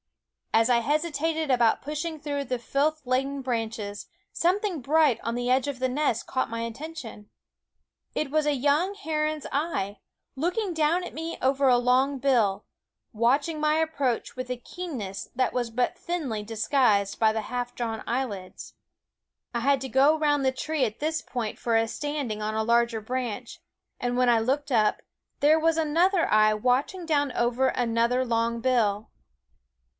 As I hesitated about pushing through the filth laden branches, something bright on the edge of the nest caught my attention. It was a young heron's eye, looking down at me over a long bill, watching my approach with a keenness that was but thinly dis guised by the half drawn eyelids. I had to go round the tree at this point for a standing on a larger branch ; and when I looked up, there was another eye watching down over another long bill.